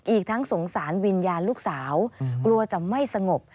อีกทั้งสงสารวิญญาณลูกสาวกลัวจะไม่สงบ